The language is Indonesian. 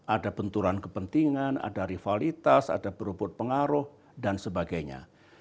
ada benturan kepentingan ada rivalitas ada berebut pengaruh dan sebagainya